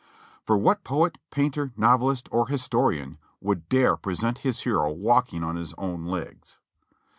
For what poet, painter, novelist or historian would dare present his hero walking on his own legs?